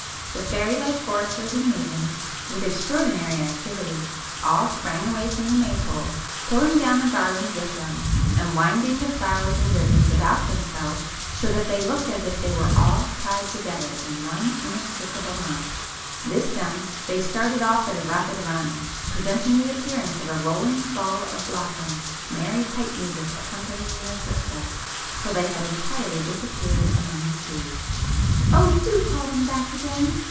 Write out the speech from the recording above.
The fairy like foresters and maidens, with extraordinary activity, all sprang away from the May pole, pulling down the garlands with them, and winding the flowers and ribbons [p 268] about themselves so that they looked as if they were all tied together in one inextricable knot,—this done, they started off at a rapid run, presenting the appearance of a rolling ball of blossom, merry pipe music accompanying their footsteps, till they had entirely disappeared among the trees. "Oh do call them back again!"